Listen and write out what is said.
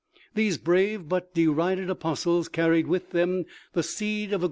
These brave but derided apostles carried with them the seed of a * R.